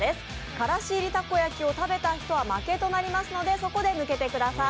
からし入りたこ焼きを食べた人は負けとなりますのでそこで抜けてください。